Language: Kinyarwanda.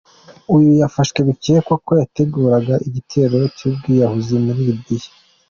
Uyu yafashwe bikekwa ko yateguraga igitero cy’ubwiyahuzi muri Libya.